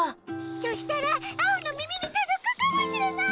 そしたらアオのみみにとどくかもしれない！